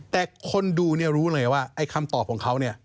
แต่คนดูเนี่ยรู้เลยว่าไอ้คำตอบของเขาเนี่ย